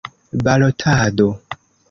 balotado